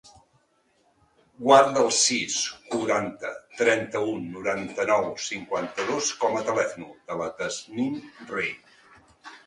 Guarda el sis, quaranta, trenta-u, noranta-nou, cinquanta-dos com a telèfon de la Tasnim Rey.